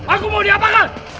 aku mau diapakan